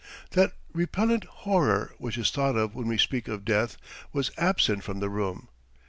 That repellent horror which is thought of when we speak of death was absent from the room.